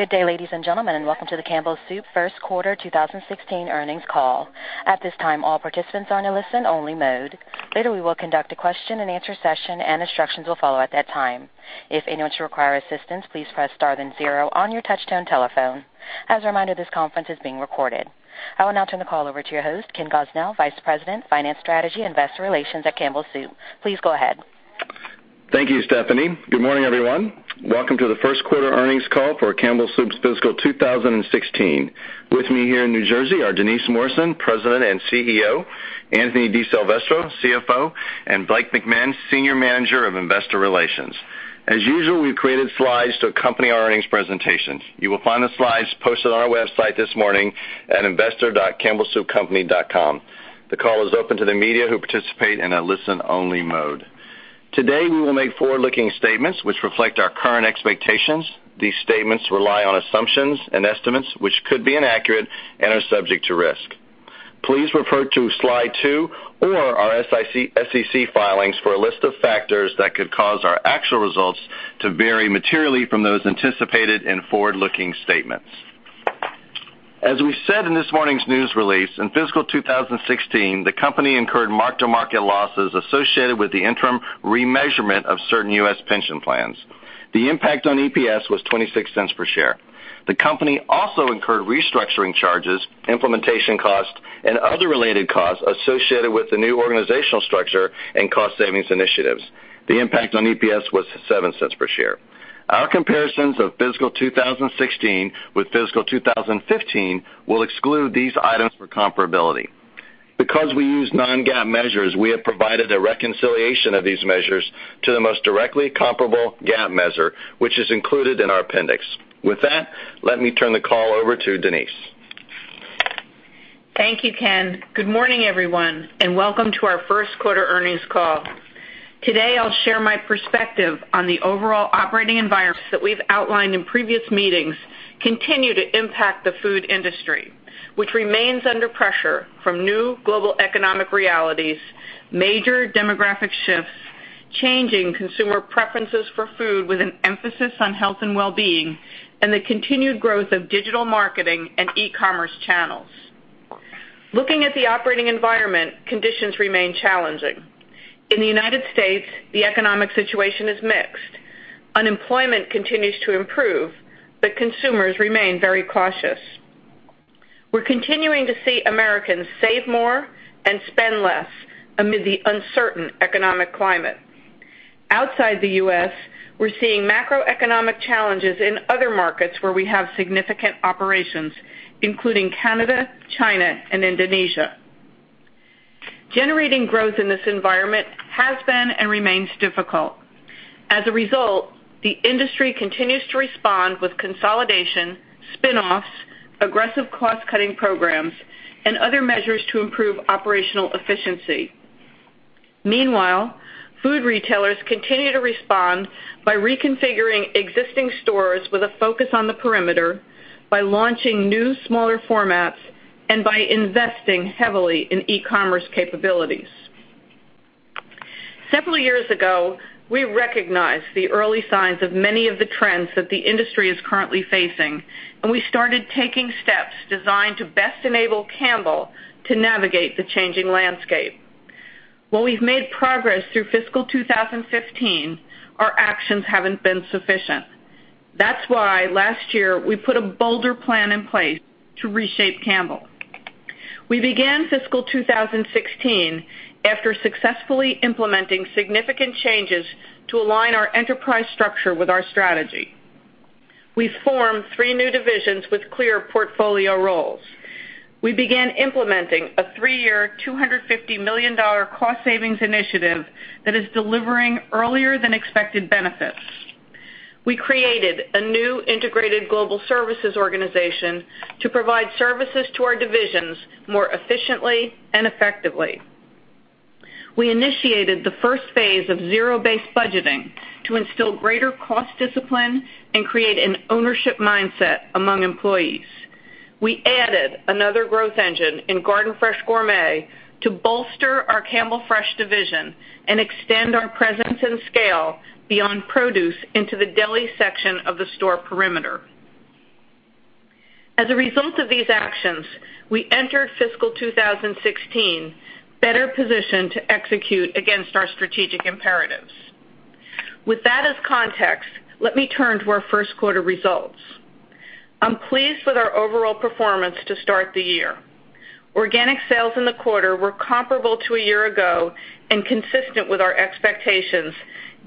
Good day, ladies and gentlemen, and welcome to the Campbell Soup first quarter 2016 earnings call. At this time, all participants are in a listen-only mode. Later, we will conduct a question-and-answer session, and instructions will follow at that time. If anyone should require assistance, please press star then zero on your touch-tone telephone. As a reminder, this conference is being recorded. I will now turn the call over to your host, Ken Gosnell, Vice President, Finance Strategy, Investor Relations at Campbell Soup. Please go ahead. Thank you, Stephanie. Good morning, everyone. Welcome to the first quarter earnings call for Campbell Soup's fiscal 2016. With me here in New Jersey are Denise Morrison, President and CEO, Anthony DiSilvestro, CFO, and Blake McMahon, Senior Manager of Investor Relations. As usual, we've created slides to accompany our earnings presentations. You will find the slides posted on our website this morning at investor.campbellsoupcompany.com. The call is open to the media who participate in a listen-only mode. Today, we will make forward-looking statements which reflect our current expectations. These statements rely on assumptions and estimates, which could be inaccurate and are subject to risk. Please refer to slide two or our SEC filings for a list of factors that could cause our actual results to vary materially from those anticipated in forward-looking statements. As we said in this morning's news release, in fiscal 2016, the company incurred mark-to-market losses associated with the interim remeasurement of certain U.S. pension plans. The impact on EPS was $0.26 per share. The company also incurred restructuring charges, implementation costs, and other related costs associated with the new organizational structure and cost savings initiatives. The impact on EPS was $0.07 per share. Our comparisons of fiscal 2016 with fiscal 2015 will exclude these items for comparability. Because we use non-GAAP measures, we have provided a reconciliation of these measures to the most directly comparable GAAP measure, which is included in our appendix. With that, let me turn the call over to Denise. Thank you, Ken. Good morning, everyone, and welcome to our first quarter earnings call. Today, I'll share my perspective on the overall operating environments that we've outlined in previous meetings continue to impact the food industry, which remains under pressure from new global economic realities, major demographic shifts, changing consumer preferences for food with an emphasis on health and wellbeing, and the continued growth of digital marketing and e-commerce channels. Looking at the operating environment, conditions remain challenging. In the United States, the economic situation is mixed. Unemployment continues to improve, but consumers remain very cautious. We're continuing to see Americans save more and spend less amid the uncertain economic climate. Outside the U.S., we're seeing macroeconomic challenges in other markets where we have significant operations, including Canada, China, and Indonesia. Generating growth in this environment has been and remains difficult. As a result, the industry continues to respond with consolidation, spinoffs, aggressive cost-cutting programs, and other measures to improve operational efficiency. Meanwhile, food retailers continue to respond by reconfiguring existing stores with a focus on the perimeter, by launching new, smaller formats, and by investing heavily in e-commerce capabilities. Several years ago, we recognized the early signs of many of the trends that the industry is currently facing, and we started taking steps designed to best enable Campbell to navigate the changing landscape. While we've made progress through fiscal 2015, our actions haven't been sufficient. That's why last year, we put a bolder plan in place to reshape Campbell. We began fiscal 2016 after successfully implementing significant changes to align our enterprise structure with our strategy. We formed three new divisions with clear portfolio roles. We began implementing a three-year, $250 million cost savings initiative that is delivering earlier than expected benefits. We created a new Integrated Global Services organization to provide services to our divisions more efficiently and effectively. We initiated the first phase of zero-based budgeting to instill greater cost discipline and create an ownership mindset among employees. We added another growth engine in Garden Fresh Gourmet to bolster our Campbell Fresh division and extend our presence and scale beyond produce into the deli section of the store perimeter. As a result of these actions, we entered fiscal 2016 better positioned to execute against our strategic imperatives. With that as context, let me turn to our first quarter results. I'm pleased with our overall performance to start the year. Organic sales in the quarter were comparable to a year ago and consistent with our expectations,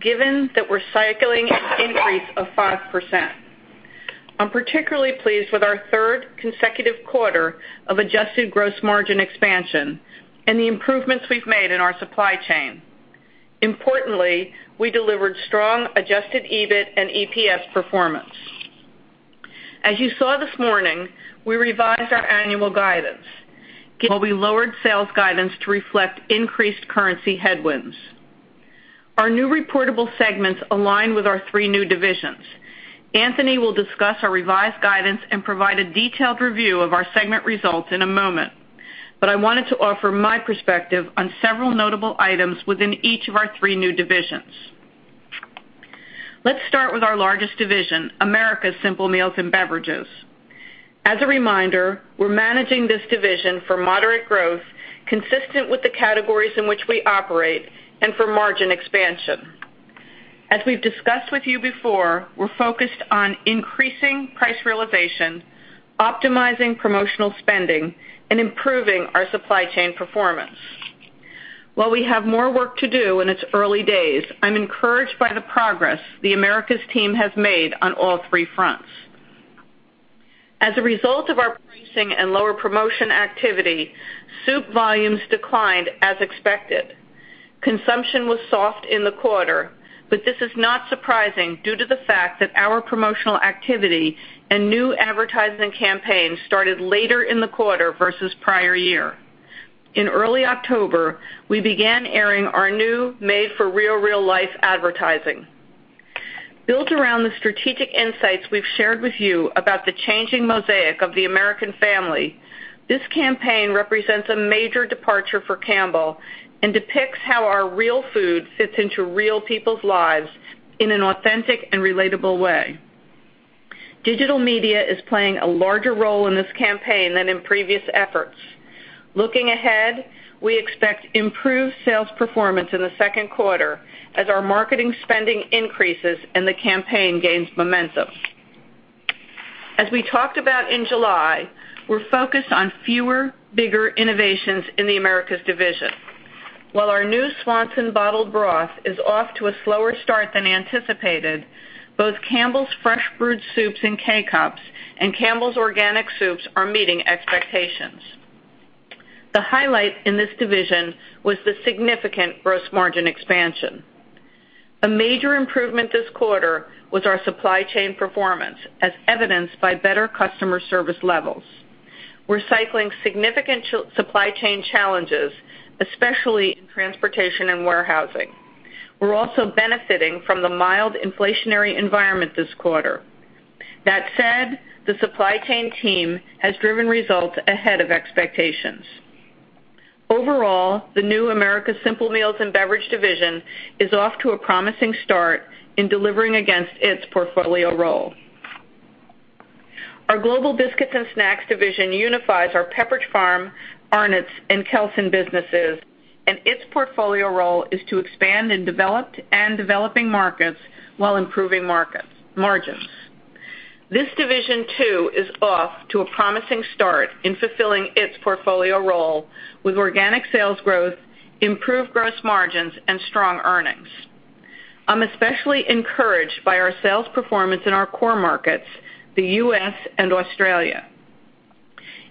given that we're cycling an increase of 5%. I'm particularly pleased with our third consecutive quarter of adjusted gross margin expansion and the improvements we've made in our supply chain. Importantly, we delivered strong adjusted EBIT and EPS performance. As you saw this morning, we revised our annual guidance. While we lowered sales guidance to reflect increased currency headwinds. Our new reportable segments align with our three new divisions. Anthony will discuss our revised guidance and provide a detailed review of our segment results in a moment. I wanted to offer my perspective on several notable items within each of our three new divisions. Let's start with our largest division, Americas Simple Meals and Beverages. As a reminder, we're managing this division for moderate growth, consistent with the categories in which we operate, and for margin expansion. As we've discussed with you before, we're focused on increasing price realization, optimizing promotional spending, and improving our supply chain performance. While we have more work to do and it's early days, I'm encouraged by the progress the Americas team has made on all three fronts. As a result of our pricing and lower promotion activity, soup volumes declined as expected. Consumption was soft in the quarter, but this is not surprising due to the fact that our promotional activity and new advertising campaign started later in the quarter versus prior year. In early October, we began airing our new Made for Real Life advertising. Built around the strategic insights we've shared with you about the changing mosaic of the American family, this campaign represents a major departure for Campbell and depicts how our real food fits into real people's lives in an authentic and relatable way. Digital media is playing a larger role in this campaign than in previous efforts. Looking ahead, we expect improved sales performance in the second quarter as our marketing spending increases and the campaign gains momentum. As we talked about in July, we're focused on fewer, bigger innovations in the Americas division. While our new Swanson bottled broth is off to a slower start than anticipated, both Campbell's Fresh-Brewed Soups and K-Cups and Campbell's Organic Soups are meeting expectations. The highlight in this division was the significant gross margin expansion. A major improvement this quarter was our supply chain performance, as evidenced by better customer service levels. We're cycling significant supply chain challenges, especially in transportation and warehousing. We're also benefiting from the mild inflationary environment this quarter. That said, the supply chain team has driven results ahead of expectations. Overall, the new Americas Simple Meals and Beverages division is off to a promising start in delivering against its portfolio role. Our Global Biscuits and Snacks division unifies our Pepperidge Farm, Arnott's, and Kelsen businesses, and its portfolio role is to expand in developed and developing markets while improving margins. This division, too, is off to a promising start in fulfilling its portfolio role, with organic sales growth, improved gross margins, and strong earnings. I'm especially encouraged by our sales performance in our core markets, the U.S. and Australia.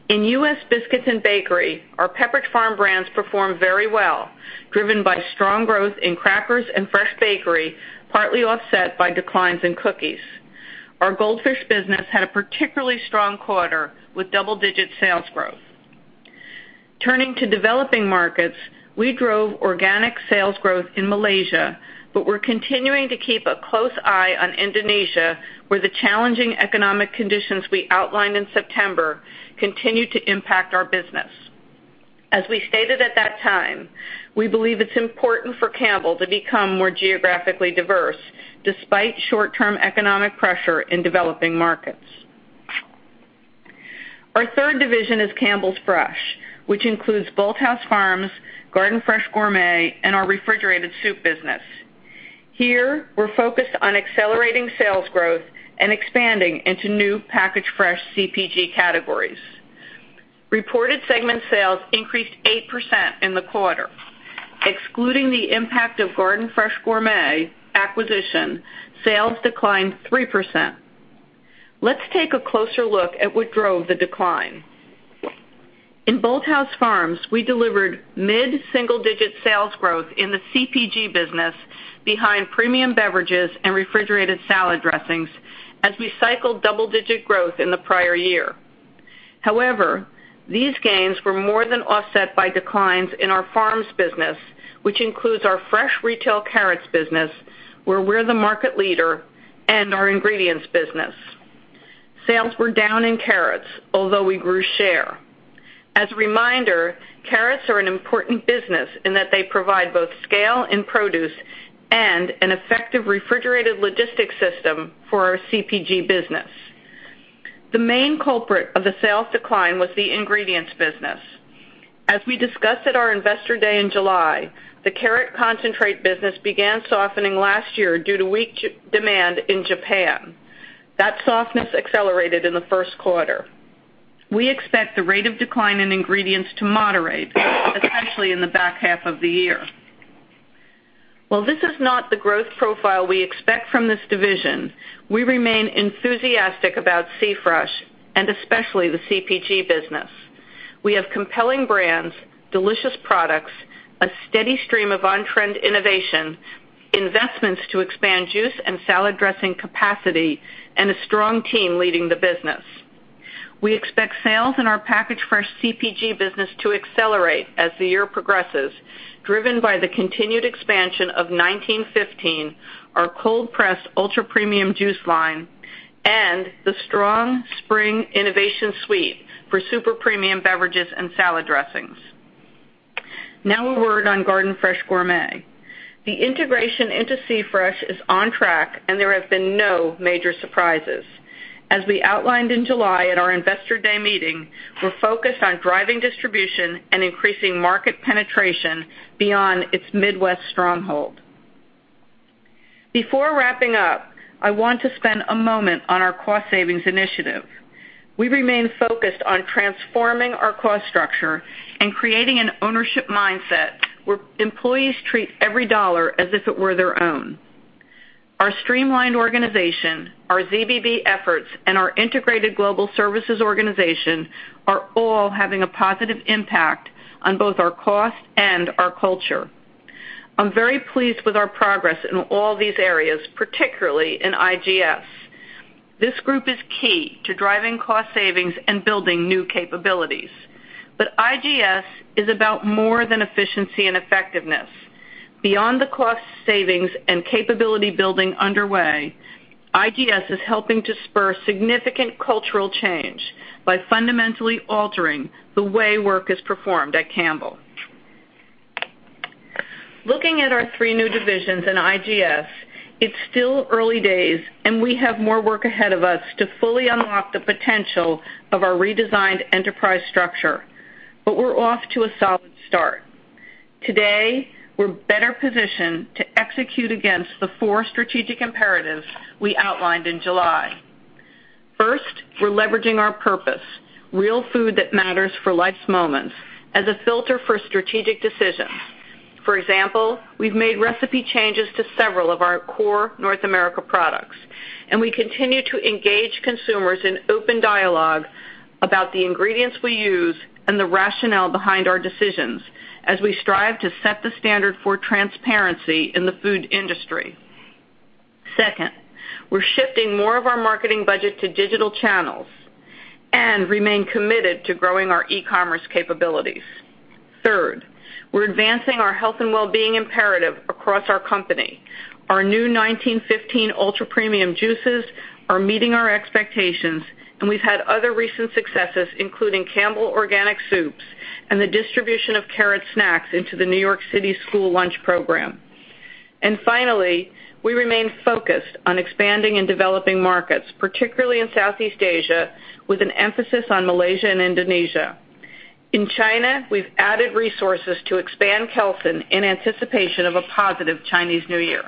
In U.S. biscuits and bakery, our Pepperidge Farm brands performed very well, driven by strong growth in crackers and fresh bakery, partly offset by declines in cookies. Our Goldfish business had a particularly strong quarter, with double-digit sales growth. Turning to developing markets, we drove organic sales growth in Malaysia, we're continuing to keep a close eye on Indonesia, where the challenging economic conditions we outlined in September continue to impact our business. As we stated at that time, we believe it's important for Campbell to become more geographically diverse, despite short-term economic pressure in developing markets. Our third division is Campbell Fresh, which includes Bolthouse Farms, Garden Fresh Gourmet, and our refrigerated soup business. Here, we're focused on accelerating sales growth and expanding into new packaged fresh CPG categories. Reported segment sales increased 8% in the quarter. Excluding the impact of Garden Fresh Gourmet acquisition, sales declined 3%. Let's take a closer look at what drove the decline. In Bolthouse Farms, we delivered mid-single-digit sales growth in the CPG business behind premium beverages and refrigerated salad dressings as we cycled double-digit growth in the prior year. These gains were more than offset by declines in our farms business, which includes our fresh retail carrots business, where we're the market leader, and our ingredients business. Sales were down in carrots, although we grew share. As a reminder, carrots are an important business in that they provide both scale and produce and an effective refrigerated logistics system for our CPG business. The main culprit of the sales decline was the ingredients business. As we discussed at our Investor Day in July, the carrot concentrate business began softening last year due to weak demand in Japan. That softness accelerated in the first quarter. We expect the rate of decline in ingredients to moderate, potentially in the back half of the year. While this is not the growth profile we expect from this division, we remain enthusiastic about C Fresh and especially the CPG business. We have compelling brands, delicious products, a steady stream of on-trend innovation, investments to expand juice and salad dressing capacity, and a strong team leading the business. We expect sales in our packaged fresh CPG business to accelerate as the year progresses, driven by the continued expansion of 1915, our cold-pressed ultra-premium juice line and the strong spring innovation suite for super premium beverages and salad dressings. Now a word on Garden Fresh Gourmet. The integration into C Fresh is on track, and there have been no major surprises. As we outlined in July at our Investor Day meeting, we're focused on driving distribution and increasing market penetration beyond its Midwest stronghold. Before wrapping up, I want to spend a moment on our cost savings initiative. We remain focused on transforming our cost structure and creating an ownership mindset where employees treat every dollar as if it were their own. Our streamlined organization, our ZBB efforts, and our Integrated Global Services organization are all having a positive impact on both our cost and our culture. I'm very pleased with our progress in all these areas, particularly in IGS. This group is key to driving cost savings and building new capabilities. IGS is about more than efficiency and effectiveness. Beyond the cost savings and capability building underway, IGS is helping to spur significant cultural change by fundamentally altering the way work is performed at Campbell. Looking at our three new divisions in IGS, it's still early days, and we have more work ahead of us to fully unlock the potential of our redesigned enterprise structure. We're off to a solid start. Today, we're better positioned to execute against the four strategic imperatives we outlined in July. First, we're leveraging our purpose, Real Food That Matters for Life's Moments, as a filter for strategic decisions. For example, we've made recipe changes to several of our core North America products, and we continue to engage consumers in open dialogue about the ingredients we use and the rationale behind our decisions as we strive to set the standard for transparency in the food industry. Second, we're shifting more of our marketing budget to digital channels and remain committed to growing our e-commerce capabilities. Third, we're advancing our health and wellbeing imperative across our company. Our new 1915 ultra-premium juices are meeting our expectations, and we've had other recent successes, including Campbell's Organic Soups and the distribution of carrot snacks into the New York City school lunch program. Finally, we remain focused on expanding and developing markets, particularly in Southeast Asia, with an emphasis on Malaysia and Indonesia. In China, we've added resources to expand Kelsen in anticipation of a positive Chinese New Year.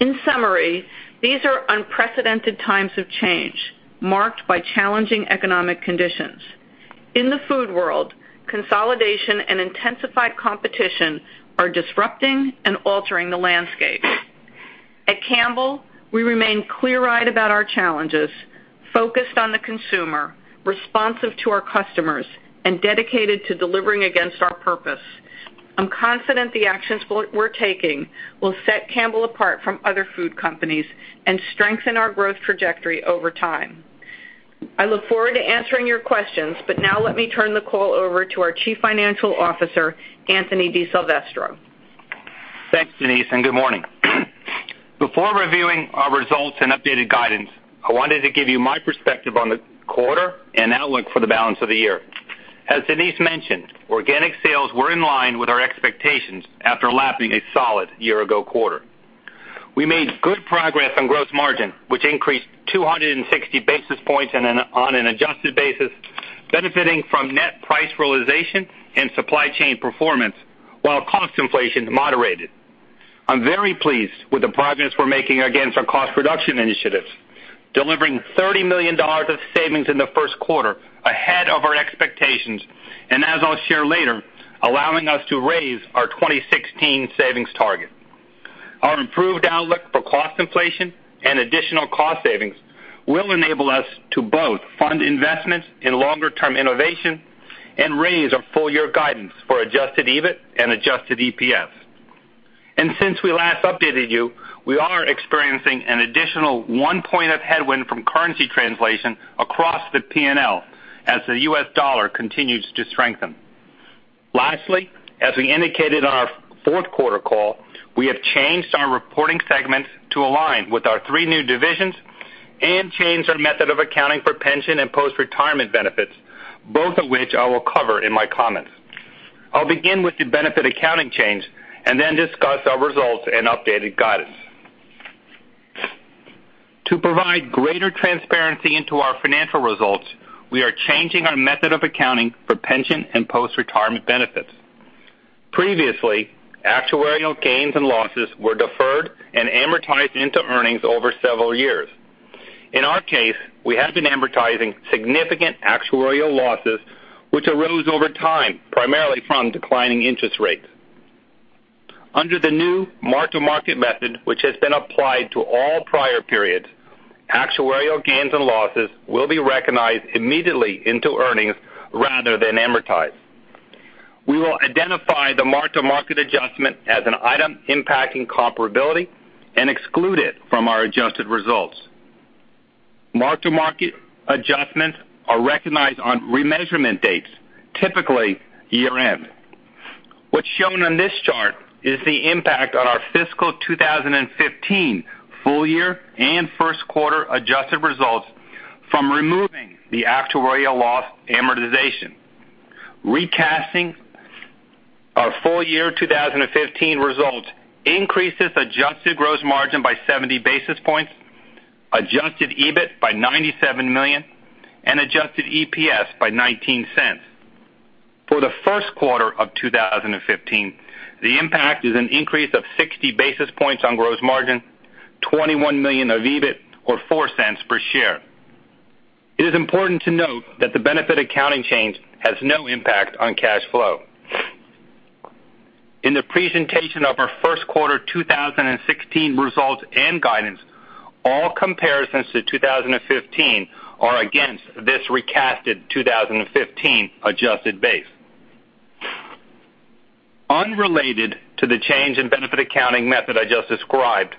In summary, these are unprecedented times of change, marked by challenging economic conditions. In the food world, consolidation and intensified competition are disrupting and altering the landscape. At Campbell, we remain clear-eyed about our challenges, focused on the consumer, responsive to our customers, and dedicated to delivering against our purpose. I'm confident the actions we're taking will set Campbell apart from other food companies and strengthen our growth trajectory over time. Now let me turn the call over to our Chief Financial Officer, Anthony DiSilvestro. Thanks, Denise. Good morning. Before reviewing our results and updated guidance, I wanted to give you my perspective on the quarter and outlook for the balance of the year. As Denise mentioned, organic sales were in line with our expectations after lapping a solid year-ago quarter. We made good progress on gross margin, which increased 260 basis points on an adjusted basis, benefiting from net price realization and supply chain performance, while cost inflation moderated. I'm very pleased with the progress we're making against our cost reduction initiatives, delivering $30 million of savings in the first quarter ahead of our expectations. As I'll share later, allowing us to raise our 2016 savings target. Our improved outlook for cost inflation and additional cost savings will enable us to both fund investments in longer-term innovation and raise our full year guidance for adjusted EBIT and adjusted EPS. Since we last updated you, we are experiencing an additional one point of headwind from currency translation across the P&L as the U.S. dollar continues to strengthen. Lastly, as we indicated on our fourth quarter call, we have changed our reporting segment to align with our three new divisions and changed our method of accounting for pension and post-retirement benefits, both of which I will cover in my comments. I'll begin with the benefit accounting change and then discuss our results and updated guidance. To provide greater transparency into our financial results, we are changing our method of accounting for pension and post-retirement benefits. Previously, actuarial gains and losses were deferred and amortized into earnings over several years. In our case, we have been amortizing significant actuarial losses, which arose over time, primarily from declining interest rates. Under the new mark-to-market method, which has been applied to all prior periods, actuarial gains and losses will be recognized immediately into earnings rather than amortized. We will identify the mark-to-market adjustment as an item impacting comparability and exclude it from our adjusted results. Mark-to-market adjustments are recognized on remeasurement dates, typically year-end. What's shown on this chart is the impact on our fiscal 2015 full year and first quarter adjusted results from removing the actuarial loss amortization. Recasting our full year 2015 results increases adjusted gross margin by 70 basis points, adjusted EBIT by $97 million, and adjusted EPS by $0.19. For the first quarter of 2015, the impact is an increase of 60 basis points on gross margin, $21 million of EBIT, or $0.04 per share. It is important to note that the benefit accounting change has no impact on cash flow. In the presentation of our first quarter 2016 results and guidance, all comparisons to 2015 are against this recasted 2015 adjusted base. Unrelated to the change in benefit accounting method I just described,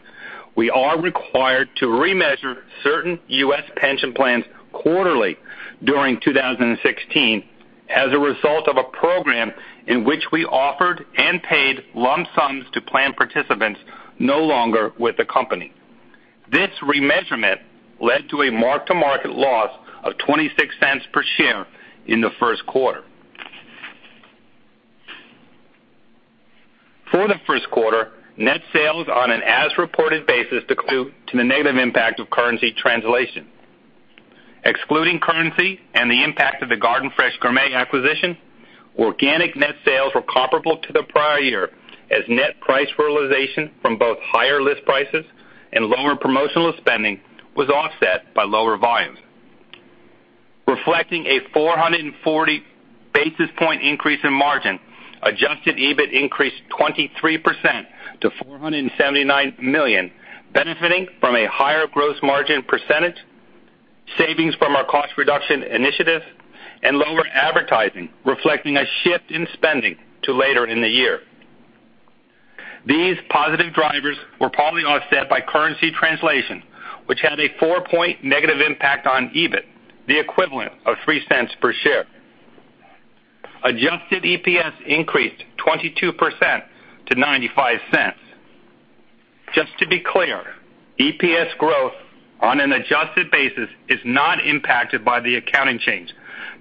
we are required to remeasure certain U.S. pension plans quarterly during 2016 as a result of a program in which we offered and paid lump sums to plan participants no longer with the company. This remeasurement led to a mark-to-market loss of $0.26 per share in the first quarter. For the first quarter, net sales on an as-reported basis declined due to the negative impact of currency translation. Excluding currency and the impact of the Garden Fresh Gourmet acquisition, organic net sales were comparable to the prior year, as net price realization from both higher list prices and lower promotional spending was offset by lower volumes. Reflecting a 440 basis point increase in margin, adjusted EBIT increased 23% to $479 million, benefiting from a higher gross margin percentage, savings from our cost-reduction initiatives, and lower advertising, reflecting a shift in spending to later in the year. These positive drivers were partly offset by currency translation, which had a four-point negative impact on EBIT, the equivalent of $0.03 per share. Adjusted EPS increased 22% to $0.95. Just to be clear, EPS growth on an adjusted basis is not impacted by the accounting change,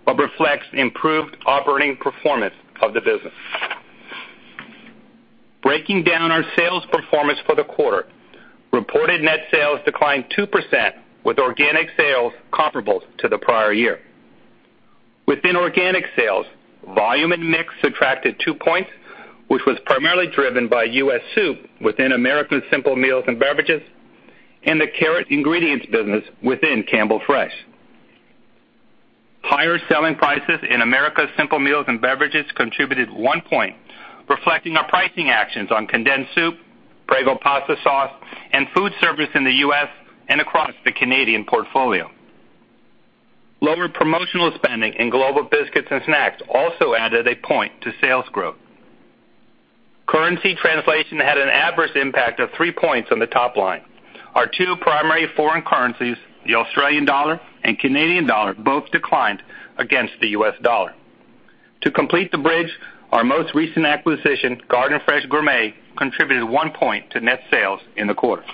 but reflects improved operating performance of the business. Breaking down our sales performance for the quarter, reported net sales declined 2%, with organic sales comparable to the prior year. Within organic sales, volume and mix subtracted two points, which was primarily driven by U.S. soup within Americas Simple Meals & Beverages and the carrot ingredients business within Campbell Fresh. Higher selling prices in Americas Simple Meals & Beverages contributed one point, reflecting our pricing actions on condensed soup, Prego pasta sauce, and food service in the U.S. and across the Canadian portfolio. Lower promotional spending in Global Biscuits & Snacks also added a point to sales growth. Currency translation had an adverse impact of three points on the top line. Our two primary foreign currencies, the Australian dollar and Canadian dollar, both declined against the U.S. dollar. To complete the bridge, our most recent acquisition, Garden Fresh Gourmet, contributed one point to net sales in the quarter.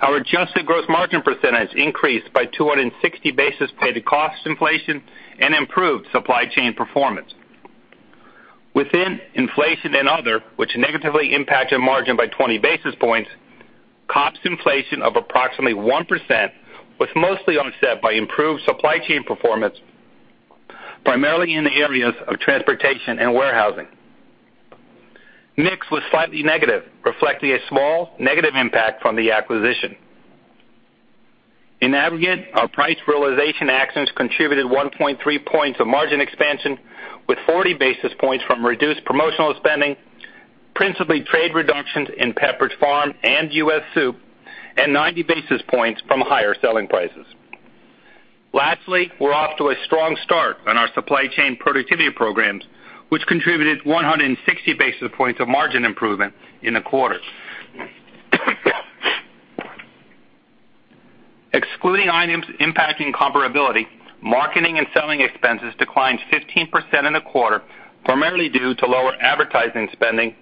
Our adjusted gross margin percentage increased by 260 basis points due to cost inflation and improved supply chain performance. Within inflation and other, which negatively impacted margin by 20 basis points, cost inflation of approximately 1% was mostly offset by improved supply chain performance, primarily in the areas of transportation and warehousing. Mix was slightly negative, reflecting a small negative impact from the acquisition. In aggregate, our price realization actions contributed 1.3 points of margin expansion, with 40 basis points from reduced promotional spending, principally trade reductions in Pepperidge Farm and U.S. soup, and 90 basis points from higher selling prices. Lastly, we are off to a strong start on our supply chain productivity programs, which contributed 160 basis points of margin improvement in the quarter. Excluding items impacting comparability, marketing and selling expenses declined 15% in the quarter, primarily due to lower advertising spending,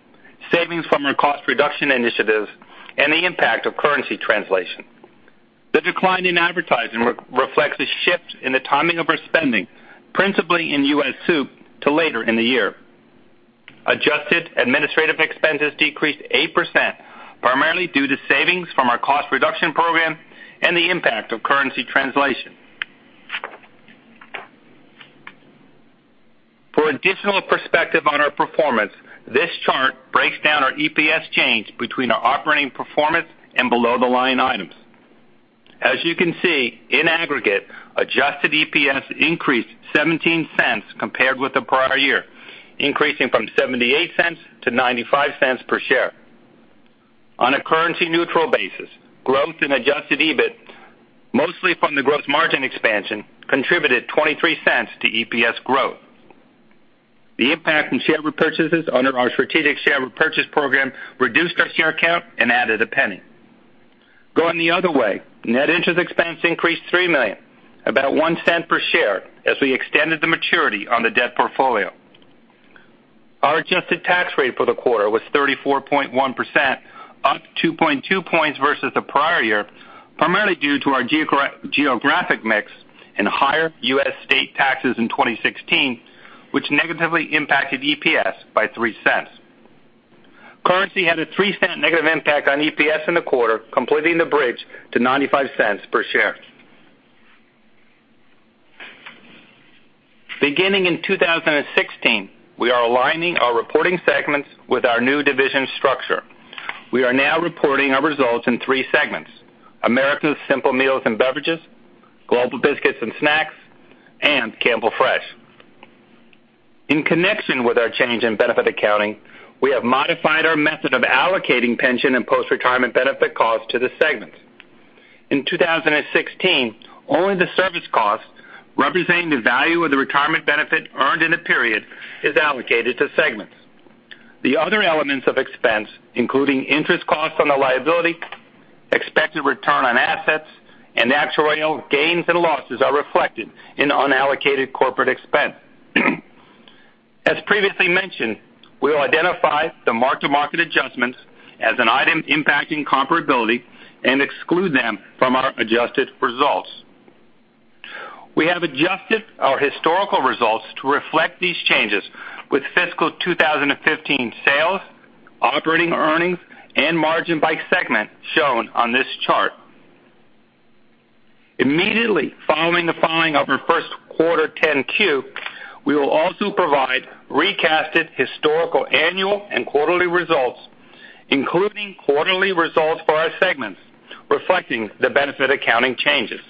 savings from our cost-reduction initiatives, and the impact of currency translation. The decline in advertising reflects a shift in the timing of our spending, principally in U.S. soup, to later in the year. Adjusted administrative expenses decreased 8%, primarily due to savings from our cost-reduction program and the impact of currency translation. For additional perspective on our performance, this chart breaks down our EPS change between our operating performance and below-the-line items. As you can see, in aggregate, adjusted EPS increased $0.17 compared with the prior year, increasing from $0.78 to $0.95 per share. On a currency-neutral basis, growth in adjusted EBIT, mostly from the gross margin expansion, contributed $0.23 to EPS growth. The impact from share repurchases under our strategic share repurchase program reduced our share count and added $0.01. Going the other way, net interest expense increased $3 million, about $0.01 per share, as we extended the maturity on the debt portfolio. Our adjusted tax rate for the quarter was 34.1%, up 2.2 points versus the prior year, primarily due to our geographic mix and higher U.S. state taxes in 2016, which negatively impacted EPS by $0.03. Currency had a $0.03 negative impact on EPS in the quarter, completing the bridge to $0.95 per share. Beginning in 2016, we are aligning our reporting segments with our new division structure. We are now reporting our results in three segments, Americas Simple Meals and Beverages, Global Biscuits and Snacks, and Campbell Fresh. In connection with our change in benefit accounting, we have modified our method of allocating pension and post-retirement benefit costs to the segments. In 2016, only the service cost, representing the value of the retirement benefit earned in the period, is allocated to segments. The other elements of expense, including interest costs on the liability, expected return on assets, and actuarial gains and losses, are reflected in unallocated corporate expense. As previously mentioned, we will identify the mark-to-market adjustments as an item impacting comparability and exclude them from our adjusted results. We have adjusted our historical results to reflect these changes with fiscal 2015 sales, operating earnings, and margin by segment shown on this chart. Immediately following the filing of our first quarter 10-Q, we will also provide recasted historical annual and quarterly results, including quarterly results for our segments, reflecting the benefit accounting changes.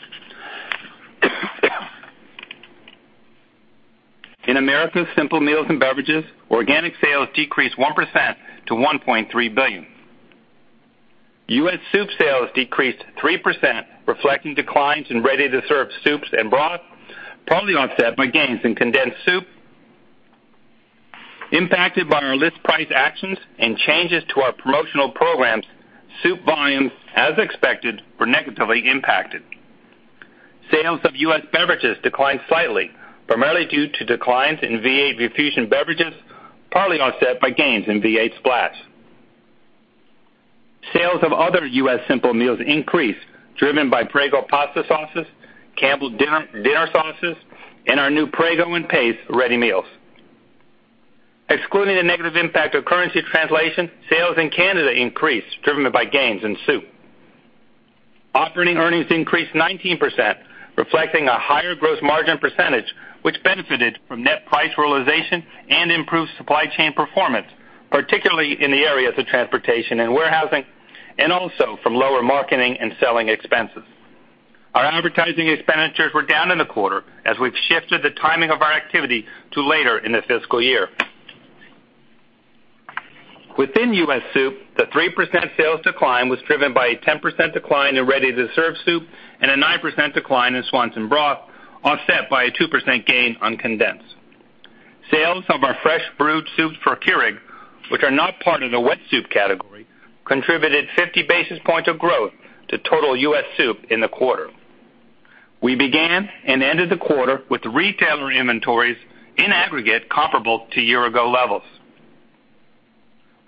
In Americas Simple Meals and Beverages, organic sales decreased 1% to $1.3 billion. U.S. soup sales decreased 3%, reflecting declines in ready-to-serve soups and broth, partly offset by gains in condensed soup. Impacted by our list price actions and changes to our promotional programs, soup volumes, as expected, were negatively impacted. Sales of U.S. beverages declined slightly, primarily due to declines in V8 Fusion beverages, partly offset by gains in V8 Splash. Sales of other U.S. Simple Meals increased, driven by Prego pasta sauces, Campbell's dinner sauces, and our new Prego and Pace ready meals. Excluding the negative impact of currency translation, sales in Canada increased, driven by gains in soup. Operating earnings increased 19%, reflecting a higher gross margin percentage, which benefited from net price realization and improved supply chain performance, particularly in the areas of transportation and warehousing, and also from lower marketing and selling expenses. Our advertising expenditures were down in the quarter as we've shifted the timing of our activity to later in the fiscal year. Within U.S. soup, the 3% sales decline was driven by a 10% decline in ready-to-serve soup and a 9% decline in Swanson broth, offset by a 2% gain on condensed. Sales of our Fresh-Brewed Soups for Keurig, which are not part of the wet soup category, contributed 50 basis points of growth to total U.S. soup in the quarter. We began and ended the quarter with retailer inventories in aggregate comparable to year-ago levels.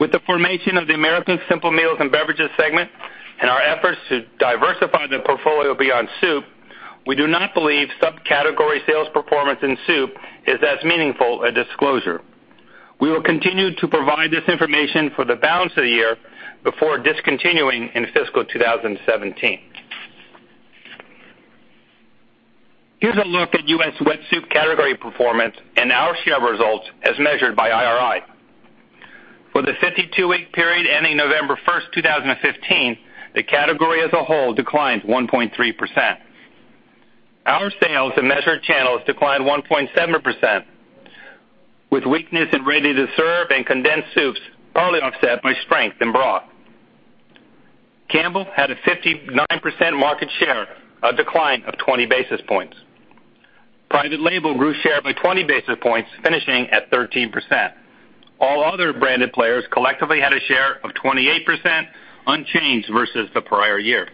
With the formation of the Americas Simple Meals and Beverages segment and our efforts to diversify the portfolio beyond soup, we do not believe subcategory sales performance in soup is as meaningful a disclosure. We will continue to provide this information for the balance of the year before discontinuing in fiscal 2017. Here's a look at U.S. wet soup category performance and our share results as measured by IRI. For the 52-week period ending November 1st, 2015, the category as a whole declined 1.3%. Our sales in measured channels declined 1.7%, with weakness in ready-to-serve and condensed soups partly offset by strength in broth. Campbell had a 59% market share, a decline of 20 basis points. Private label grew share by 20 basis points, finishing at 13%. All other branded players collectively had a share of 28%, unchanged versus the prior year.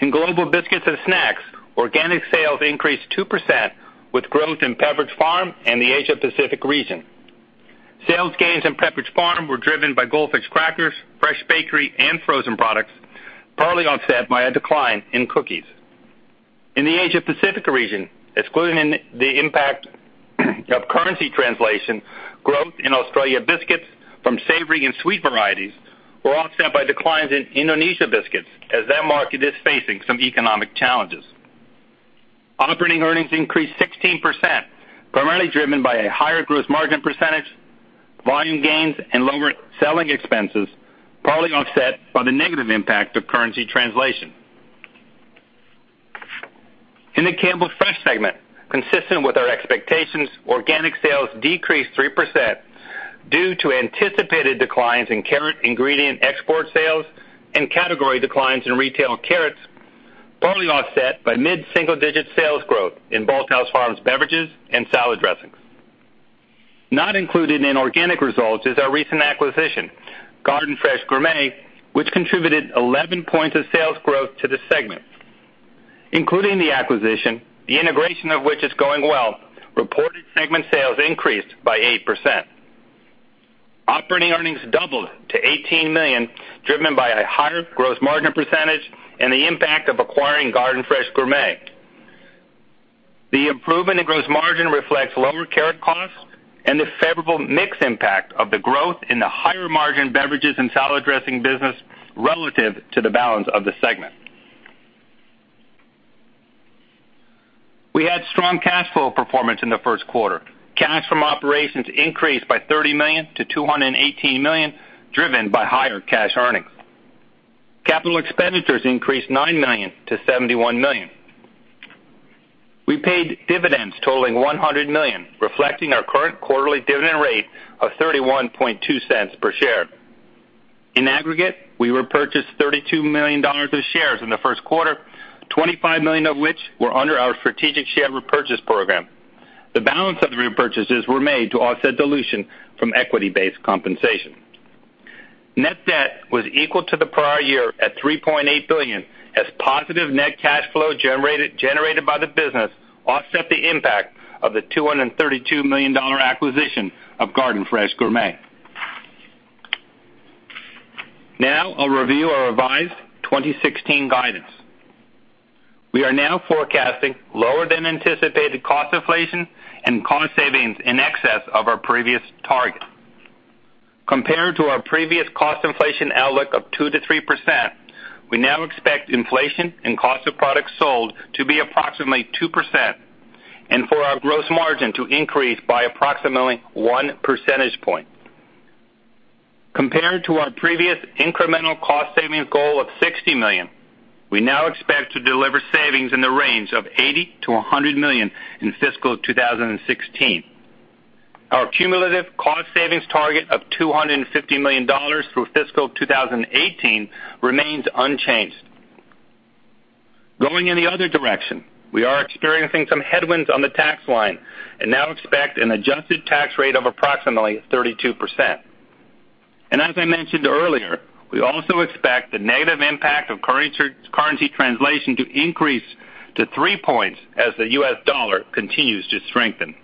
In Global Biscuits and Snacks, organic sales increased 2% with growth in Pepperidge Farm and the Asia-Pacific region. Sales gains in Pepperidge Farm were driven by Goldfish crackers, fresh bakery, and frozen products, partly offset by a decline in cookies. In the Asia-Pacific region, excluding the impact of currency translation, growth in Australia biscuits from savory and sweet varieties were offset by declines in Indonesia biscuits, as that market is facing some economic challenges. Operating earnings increased 16%, primarily driven by a higher gross margin percentage, volume gains, and lower selling expenses, partly offset by the negative impact of currency translation. In the Campbell Fresh segment, consistent with our expectations, organic sales decreased 3% due to anticipated declines in carrot ingredient export sales and category declines in retail carrots, partly offset by mid-single-digit sales growth in Bolthouse Farms beverages and salad dressings. Not included in organic results is our recent acquisition, Garden Fresh Gourmet, which contributed 11 points of sales growth to the segment. Including the acquisition, the integration of which is going well, reported segment sales increased by 8%. Operating earnings doubled to $18 million, driven by a higher gross margin percentage and the impact of acquiring Garden Fresh Gourmet. The improvement in gross margin reflects lower carrot costs and the favorable mix impact of the growth in the higher-margin beverages and salad dressing business relative to the balance of the segment. We had strong cash flow performance in the first quarter. Cash from operations increased by $30 million to $218 million, driven by higher cash earnings. Capital expenditures increased $9 million to $71 million. We paid dividends totaling $100 million, reflecting our current quarterly dividend rate of $0.312 per share. In aggregate, we repurchased $32 million of shares in the first quarter, $25 million of which were under our strategic share repurchase program. The balance of the repurchases were made to offset dilution from equity-based compensation. Net debt was equal to the prior year at $3.8 billion, as positive net cash flow generated by the business offset the impact of the $232 million acquisition of Garden Fresh Gourmet. I'll review our revised 2016 guidance. We are now forecasting lower than anticipated cost inflation and cost savings in excess of our previous target. Compared to our previous cost inflation outlook of 2%-3%, we now expect inflation and cost of products sold to be approximately 2% and for our gross margin to increase by approximately one percentage point. Compared to our previous incremental cost savings goal of $60 million, we now expect to deliver savings in the range of $80 million-$100 million in fiscal 2016. Our cumulative cost savings target of $250 million through fiscal 2018 remains unchanged. Going in the other direction, we are experiencing some headwinds on the tax line and now expect an adjusted tax rate of approximately 32%. As I mentioned earlier, we also expect the negative impact of currency translation to increase to 3 points as the U.S. dollar continues to strengthen.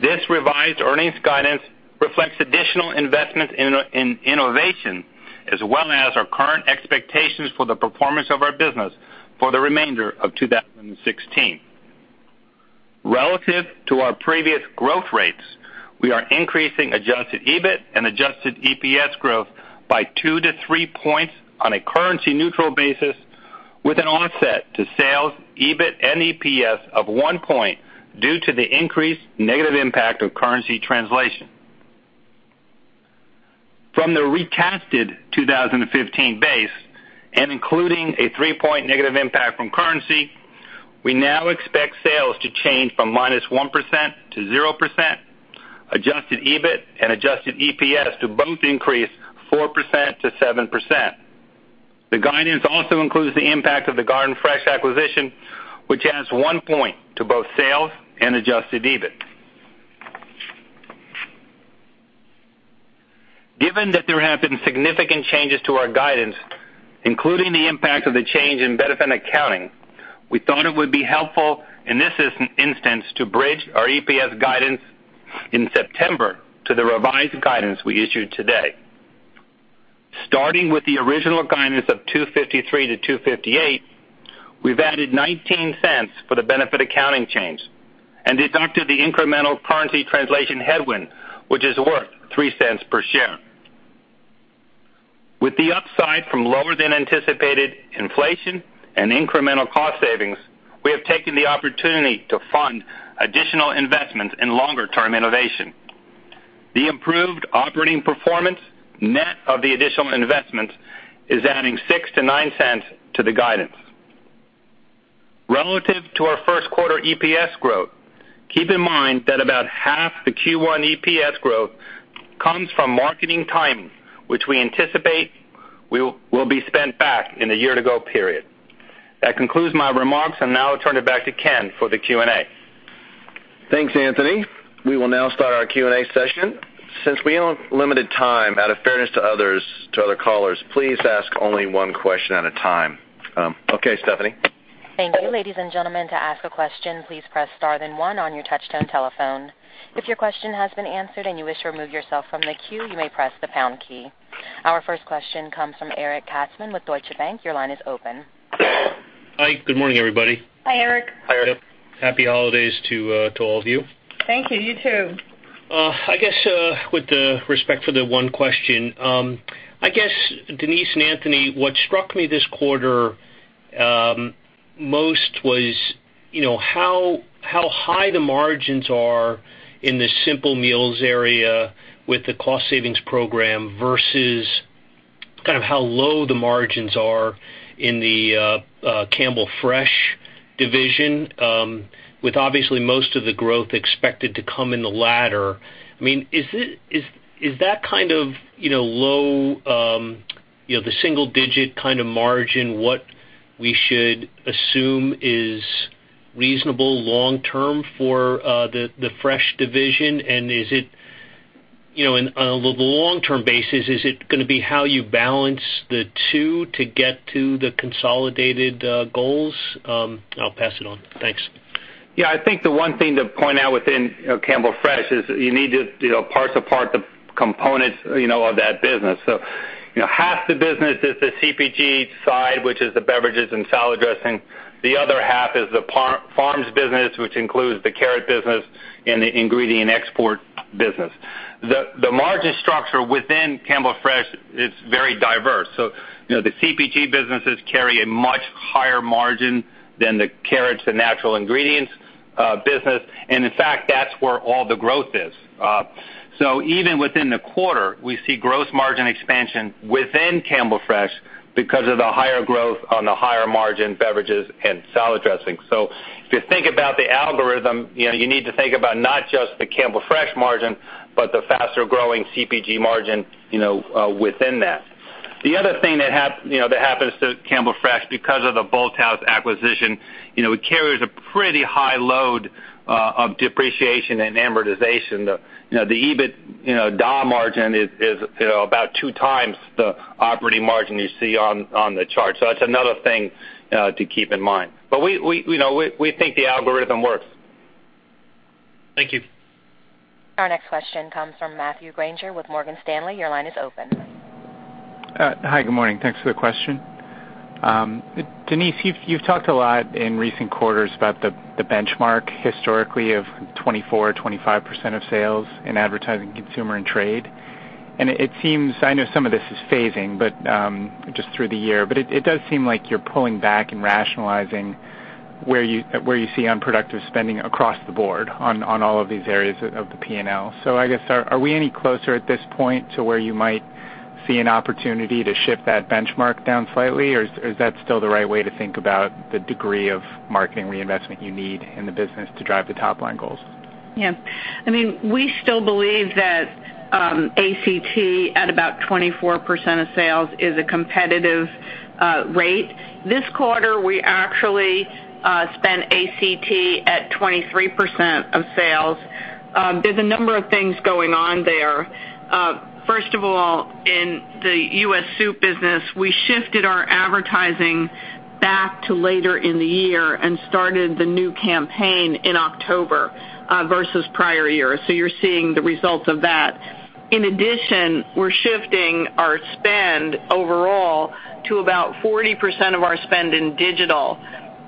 This revised earnings guidance reflects additional investments in innovation, as well as our current expectations for the performance of our business for the remainder of 2016. Relative to our previous growth rates, we are increasing adjusted EBIT and adjusted EPS growth by 2-3 points on a currency-neutral basis, with an offset to sales, EBIT, and EPS of 1 point due to the increased negative impact of currency translation. From the recasted 2015 base and including a 3-point negative impact from currency, we now expect sales to change from -1% to 0%, adjusted EBIT and adjusted EPS to both increase 4%-7%. The guidance also includes the impact of the Garden Fresh acquisition, which adds 1 point to both sales and adjusted EBIT. Given that there have been significant changes to our guidance, including the impact of the change in benefit accounting, we thought it would be helpful in this instance to bridge our EPS guidance in September to the revised guidance we issued today. Starting with the original guidance of $2.53 to $2.58, we've added $0.19 for the benefit accounting change and deducted the incremental currency translation headwind, which is worth $0.03 per share. With the upside from lower than anticipated inflation and incremental cost savings, we have taken the opportunity to fund additional investments in longer-term innovation. The improved operating performance, net of the additional investments, is adding $0.06 to $0.09 to the guidance. Relative to our first quarter EPS growth, keep in mind that about half the Q1 EPS growth comes from marketing timing, which we anticipate will be spent back in the later in the year. That concludes my remarks, now I'll turn it back to Ken for the Q&A. Thanks, Anthony. We will now start our Q&A session. Since we are on limited time, out of fairness to other callers, please ask only one question at a time. Okay, Stephanie. Thank you. Ladies and gentlemen, to ask a question, please press star then one on your touch-tone telephone. If your question has been answered and you wish to remove yourself from the queue, you may press the pound key. Our first question comes from Eric Katzman with Deutsche Bank. Your line is open. Hi. Good morning, everybody. Hi, Eric. Hi, Eric. Happy holidays to all of you. Thank you. You too. With respect for the one question, Denise and Anthony, what struck me this quarter most was how high the margins are in the Simple Meals area with the cost savings program versus kind of how low the margins are in the Campbell Fresh division, with obviously most of the growth expected to come in the latter. Is that kind of low, the single digit kind of margin, what we should assume is reasonable long-term for the Fresh division? And on the long-term basis, is it going to be how you balance the two to get to the consolidated goals? I will pass it on. Thanks. Yeah, I think the one thing to point out within Campbell Fresh is that you need to parse apart the components of that business. Half the business is the CPG side, which is the beverages and salad dressing. The other half is the farms business, which includes the carrot business and the ingredient export business. The margin structure within Campbell Fresh is very diverse. The CPG businesses carry a much higher margin than the carrots and natural ingredients business. In fact, that is where all the growth is. Even within the quarter, we see gross margin expansion within Campbell Fresh because of the higher growth on the higher margin beverages and salad dressing. If you think about the algorithm, you need to think about not just the Campbell Fresh margin, but the faster-growing CPG margin within that. The other thing that happens to Campbell Fresh because of the Bolthouse acquisition, it carries a pretty high load of depreciation and amortization. The EBITDA margin is about two times the operating margin you see on the chart. That is another thing to keep in mind. We think the algorithm works. Thank you. Our next question comes from Matthew Grainger with Morgan Stanley. Your line is open. Hi, good morning. Thanks for the question. Denise, you've talked a lot in recent quarters about the benchmark historically of 24%-25% of sales in advertising consumer and trade. It seems, I know some of this is phasing, but just through the year, but it does seem like you're pulling back and rationalizing where you see unproductive spending across the board on all of these areas of the P&L. I guess, are we any closer at this point to where you might see an opportunity to shift that benchmark down slightly? Is that still the right way to think about the degree of marketing reinvestment you need in the business to drive the top-line goals? Yeah. We still believe that ACT at about 24% of sales is a competitive rate. This quarter, we actually spent ACT at 23% of sales. There's a number of things going on there. First of all, in the U.S. soup business, we shifted our advertising back to later in the year and started the new campaign in October versus prior years. You're seeing the results of that. In addition, we're shifting our spend overall to about 40% of our spend in digital,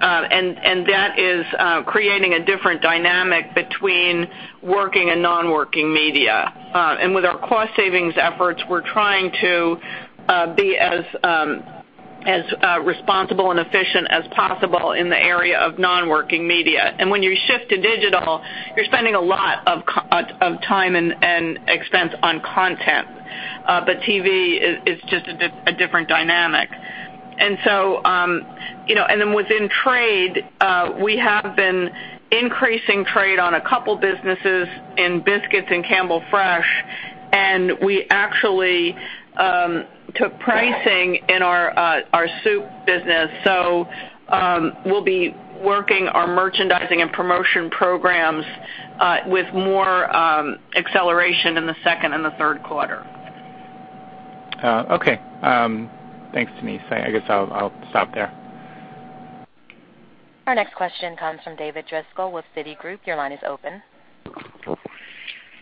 that is creating a different dynamic between working and non-working media. With our cost savings efforts, we're trying to be as responsible and efficient as possible in the area of non-working media. When you shift to digital, you're spending a lot of time and expense on content. TV is just a different dynamic. Within trade, we have been increasing trade on a couple businesses in biscuits and Campbell Fresh, we actually took pricing in our soup business. We'll be working our merchandising and promotion programs with more acceleration in the second and the third quarter. Okay. Thanks, Denise. I guess I'll stop there. Our next question comes from David Driscoll with Citigroup. Your line is open.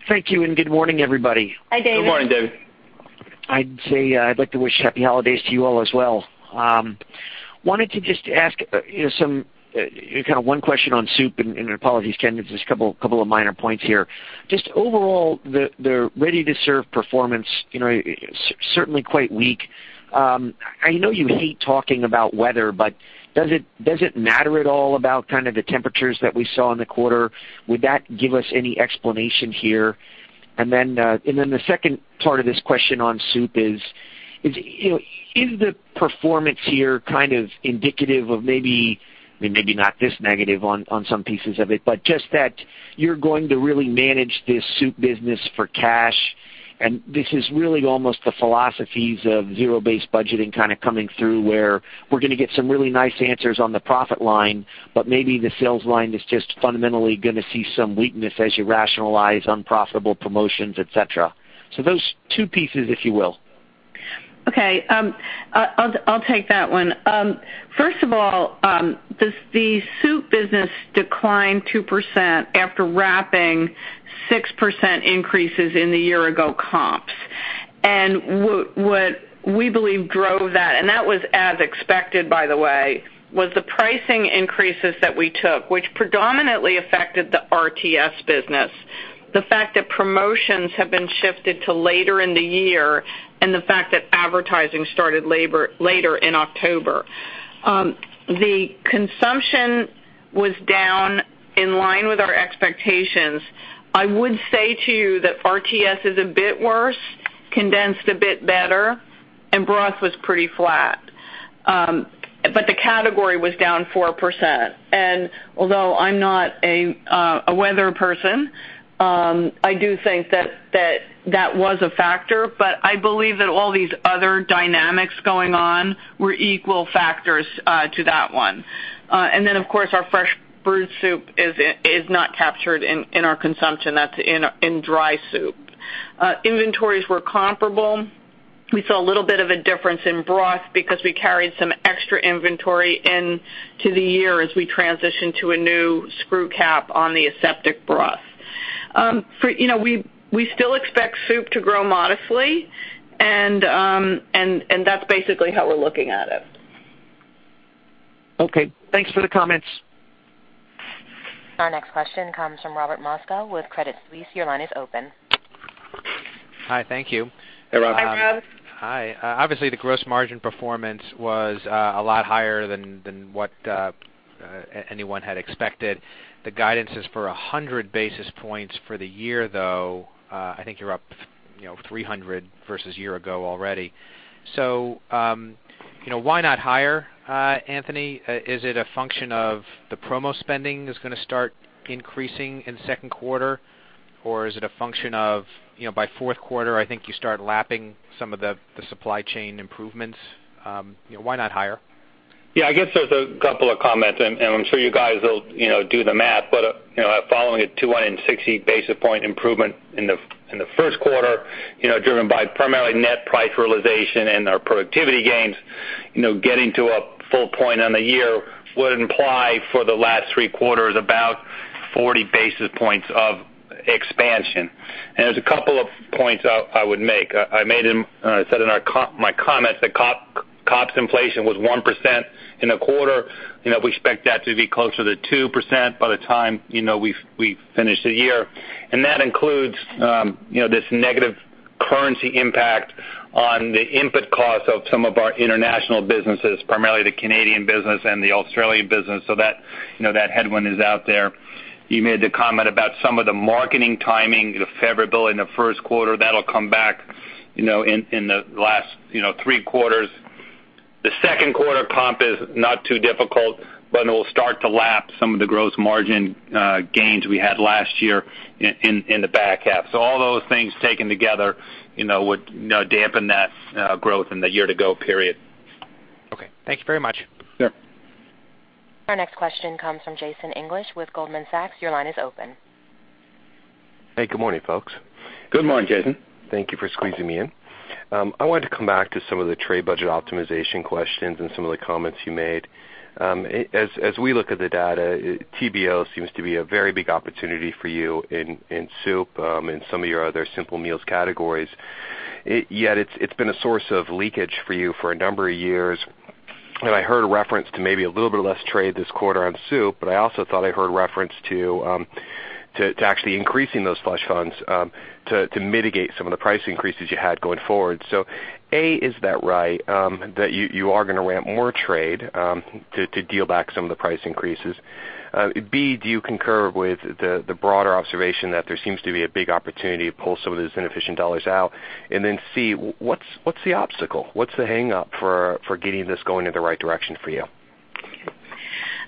Thank you, and good morning, everybody. Hi, David. Good morning, David. I'd say I'd like to wish happy holidays to you all as well. Wanted to just ask kind of one question on soup. Apologies, Ken, there's just a couple of minor points here. Overall, the ready-to-serve performance, certainly quite weak. I know you hate talking about weather, does it matter at all about the temperatures that we saw in the quarter? Would that give us any explanation here? The second part of this question on soup is the performance here kind of indicative of maybe not this negative on some pieces of it, just that you're going to really manage this soup business for cash. This is really almost the philosophies of zero-based budgeting kind of coming through where we're going to get some really nice answers on the profit line, maybe the sales line is just fundamentally gonna see some weakness as you rationalize unprofitable promotions, et cetera. Those two pieces, if you will. Okay. I'll take that one. First of all, the soup business declined 2% after wrapping 6% increases in the year ago comps. What we believe drove that, and that was as expected, by the way, was the pricing increases that we took, which predominantly affected the RTS business. The fact that promotions have been shifted to later in the year and the fact that advertising started later in October. The consumption was down in line with our expectations. I would say to you that RTS is a bit worse, condensed a bit better, and broth was pretty flat. The category was down 4%. Although I'm not a weather person, I do think that was a factor, but I believe that all these other dynamics going on were equal factors to that one. Then, of course, our Fresh-Brewed Soup is not captured in our consumption. That's in dry soup. Inventories were comparable. We saw a little bit of a difference in broth because we carried some extra inventory into the year as we transitioned to a new screw cap on the aseptic broth. We still expect soup to grow modestly, and that's basically how we're looking at it. Okay. Thanks for the comments. Our next question comes from Robert Moskow with Credit Suisse. Your line is open. Hi, thank you. Hey, Rob. Hi, Rob. Hi. Obviously, the gross margin performance was a lot higher than what anyone had expected. The guidance is for 100 basis points for the year, though, I think you're up 300 versus year-ago already. Why not higher, Anthony? Is it a function of the promo spending is going to start increasing in the second quarter, or is it a function of, by fourth quarter, I think you start lapping some of the supply chain improvements. Why not higher? I guess there's a couple of comments, I'm sure you guys will do the math. Following a 260 basis point improvement in the first quarter driven by primarily net price realization and our productivity gains, getting to a full point on the year would imply for the last three quarters about 40 basis points of expansion. There's a couple of points I would make. I said in my comments that COPS inflation was 1% in the quarter. We expect that to be closer to 2% by the time we finish the year. That includes this negative currency impact on the input cost of some of our international businesses, primarily the Canadian business and the Australian business. That headwind is out there. You made the comment about some of the marketing timing, the favorability in the first quarter. That'll come back in the last three quarters. The second quarter comp is not too difficult, but it will start to lap some of the gross margin gains we had last year in the back half. All those things taken together would dampen that growth in the year-ago period. Okay. Thank you very much. Sure. Our next question comes from Jason English with Goldman Sachs. Your line is open. Hey, good morning, folks. Good morning, Jason. Thank you for squeezing me in. I wanted to come back to some of the trade budget optimization questions and some of the comments you made. As we look at the data, TBO seems to be a very big opportunity for you in soup and some of your other simple meals categories. Yet it's been a source of leakage for you for a number of years. I heard a reference to maybe a little bit less trade this quarter on soup, but I also thought I heard reference to actually increasing those flush funds to mitigate some of the price increases you had going forward. A, is that right, that you are gonna ramp more trade to deal back some of the price increases? B, do you concur with the broader observation that there seems to be a big opportunity to pull some of those inefficient dollars out? C, what's the obstacle? What's the hang-up for getting this going in the right direction for you?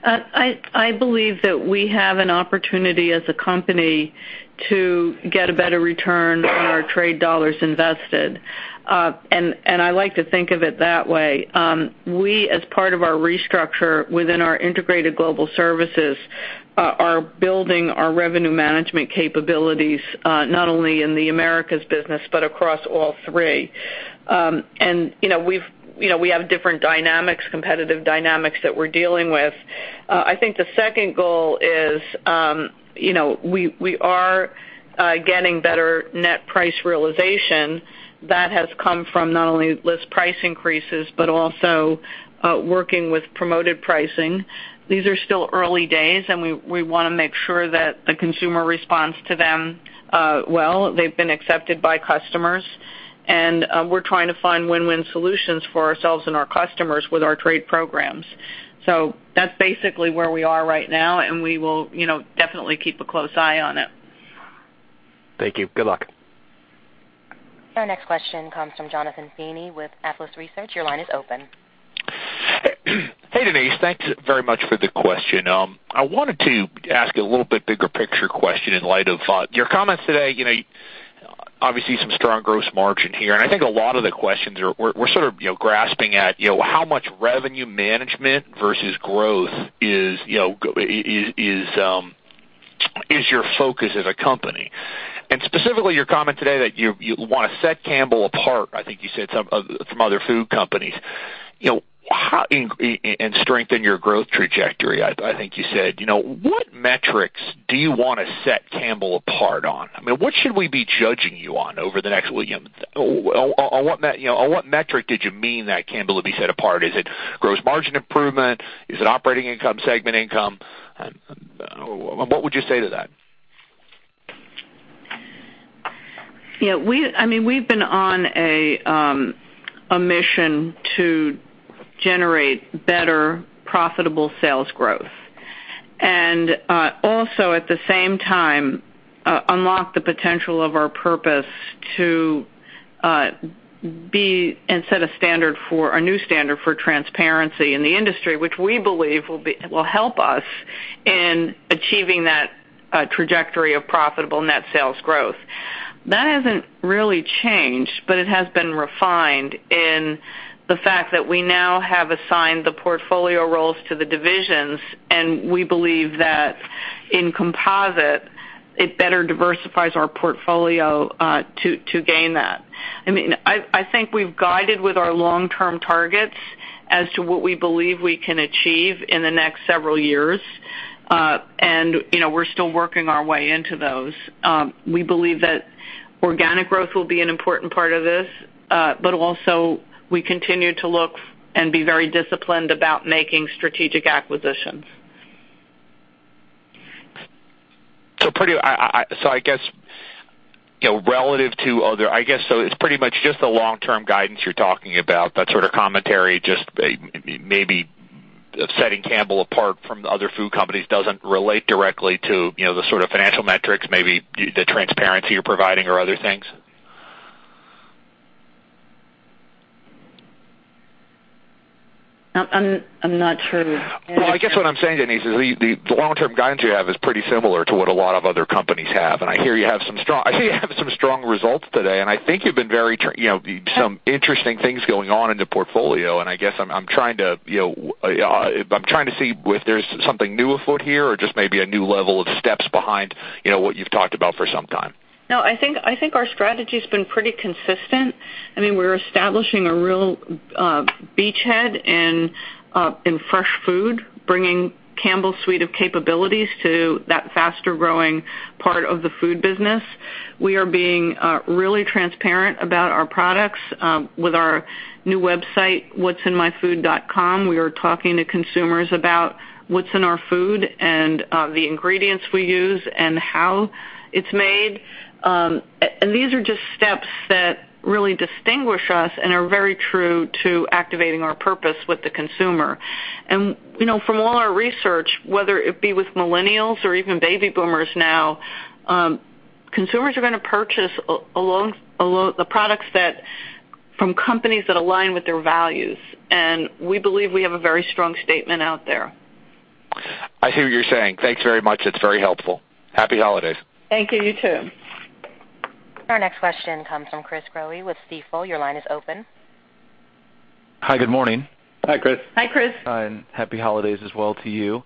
I believe that we have an opportunity as a company to get a better return on our trade dollars invested. I like to think of it that way. We, as part of our restructure within our Integrated Global Services, are building our revenue management capabilities not only in the Americas business, but across all three. We have different dynamics, competitive dynamics that we're dealing with. I think the second goal is we are getting better net price realization that has come from not only list price increases, but also working with promoted pricing. These are still early days, and we wanna make sure that the consumer responds to them well. They've been accepted by customers, and we're trying to find win-win solutions for ourselves and our customers with our trade programs. That's basically where we are right now, and we will definitely keep a close eye on it. Thank you. Good luck. Our next question comes from Jonathan Feeney with Athlos Research. Your line is open. Hey, Denise. Thanks very much for the question. I wanted to ask a little bit bigger picture question in light of your comments today. Obviously, some strong gross margin here, and I think a lot of the questions are we're sort of grasping at how much revenue management versus growth is your focus as a company. Specifically, your comment today that you wanna set Campbell apart, I think you said, from other food companies and strengthen your growth trajectory, I think you said. What metrics do you wanna set Campbell apart on? What should we be judging you on over the next-- On what metric did you mean that Campbell will be set apart? Is it gross margin improvement? Is it operating income, segment income? What would you say to that? We've been on a mission to generate better profitable sales growth, also at the same time, unlock the potential of our purpose to be and set a new standard for transparency in the industry, which we believe will help us in achieving that trajectory of profitable net sales growth. That hasn't really changed, but it has been refined in the fact that we now have assigned the portfolio roles to the divisions, and we believe that in composite, it better diversifies our portfolio to gain that. I think we've guided with our long-term targets as to what we believe we can achieve in the next several years. We're still working our way into those. We believe that organic growth will be an important part of this, but also we continue to look and be very disciplined about making strategic acquisitions. I guess, it's pretty much just the long-term guidance you're talking about, that sort of commentary, just maybe setting Campbell apart from the other food companies doesn't relate directly to the sort of financial metrics, maybe the transparency you're providing or other things? I'm not sure. Well, I guess what I'm saying, Denise, is the long-term guidance you have is pretty similar to what a lot of other companies have, and I hear you have some strong results today, and I think you've been some interesting things going on in the portfolio, and I guess I'm trying to see if there's something new afoot here or just maybe a new level of steps behind what you've talked about for some time. No, I think our strategy's been pretty consistent. We're establishing a real beachhead in fresh food, bringing Campbell's suite of capabilities to that faster-growing part of the food business. We are being really transparent about our products with our new website, whatsinmyfood.com. We are talking to consumers about what's in our food and the ingredients we use and how it's made. These are just steps that really distinguish us and are very true to activating our purpose with the consumer. From all our research, whether it be with millennials or even baby boomers now, consumers are going to purchase the products from companies that align with their values, and we believe we have a very strong statement out there. I hear what you're saying. Thanks very much. It's very helpful. Happy holidays. Thank you. You too. Our next question comes from Chris Growe with Stifel. Your line is open. Hi, good morning. Hi, Chris. Hi, Chris. Happy holidays as well to you.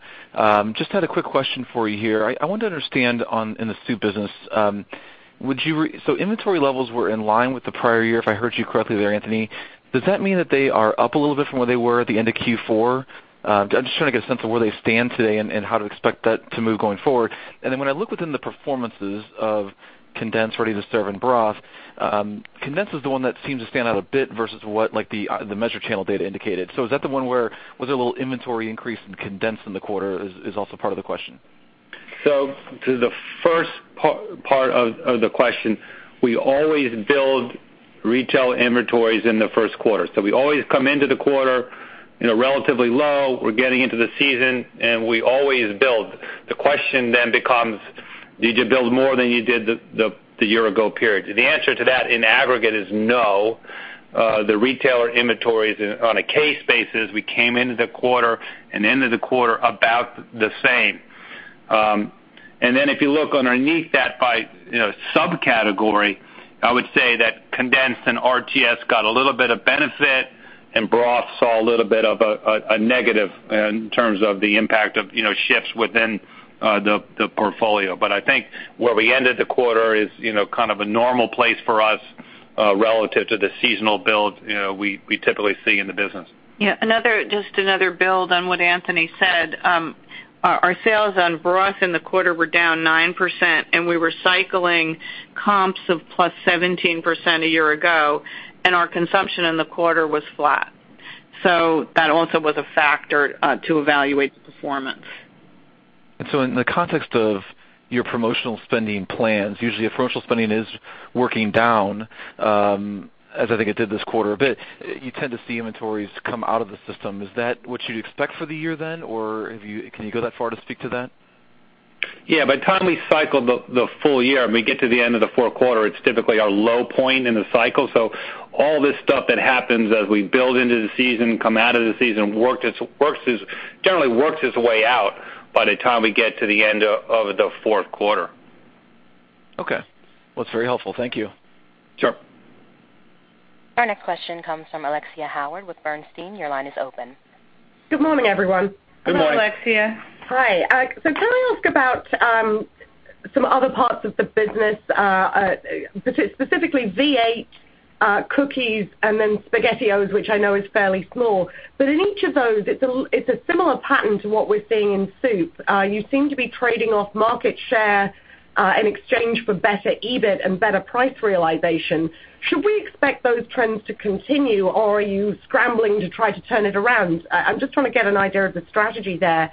Just had a quick question for you here. I want to understand in the soup business, inventory levels were in line with the prior year, if I heard you correctly there, Anthony. Does that mean that they are up a little bit from where they were at the end of Q4? I'm just trying to get a sense of where they stand today and how to expect that to move going forward. When I look within the performances of condensed, ready-to-serve, and broth, condensed is the one that seems to stand out a bit versus what the measured channel data indicated. Is that the one where, was it a little inventory increase in condensed in the quarter is also part of the question. To the first part of the question, we always build retail inventories in the first quarter. We always come into the quarter relatively low. We're getting into the season, we always build. The question becomes, did you build more than you did the year-ago period? The answer to that in aggregate is no. The retailer inventories on a case basis, we came into the quarter and into the quarter about the same. If you look underneath that by subcategory, I would say that condensed and RTS got a little bit of benefit, and broth saw a little bit of a negative in terms of the impact of shifts within the portfolio. I think where we ended the quarter is kind of a normal place for us, relative to the seasonal build we typically see in the business. Yeah. Just another build on what Anthony said. Our sales on broth in the quarter were down 9%, and we were cycling comps of +17% a year-ago, and our consumption in the quarter was flat. That also was a factor to evaluate the performance. In the context of your promotional spending plans, usually if promotional spending is working down, as I think it did this quarter a bit, you tend to see inventories come out of the system. Is that what you'd expect for the year then, or can you go that far to speak to that? Yeah, by the time we cycle the full year and we get to the end of the fourth quarter, it's typically our low point in the cycle. All this stuff that happens as we build into the season, come out of the season, generally works its way out by the time we get to the end of the fourth quarter. Okay. Well, that's very helpful. Thank you. Sure. Our next question comes from Alexia Howard with Bernstein. Your line is open. Good morning, everyone. Good morning. Hello, Alexia. Hi. Can I ask about some other parts of the business, specifically V8, cookies, and then SpaghettiOs, which I know is fairly small. In each of those, it's a similar pattern to what we're seeing in soup. You seem to be trading off market share in exchange for better EBIT and better price realization. Should we expect those trends to continue, or are you scrambling to try to turn it around? I'm just trying to get an idea of the strategy there.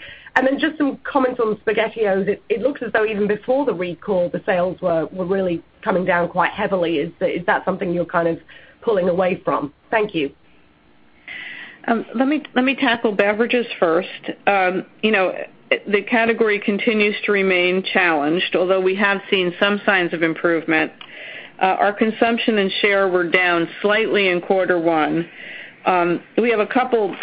Just some comments on SpaghettiOs. It looks as though even before the recall, the sales were really coming down quite heavily. Is that something you're kind of pulling away from? Thank you. Let me tackle beverages first. The category continues to remain challenged, although we have seen some signs of improvement. Our consumption and share were down slightly in quarter one. We have a couple